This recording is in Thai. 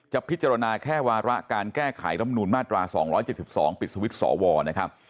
พิจารณาแค่วาระการแก้ไขรำนูลมาตรา๒๗๒ปิดสวิตช์สวนะครับ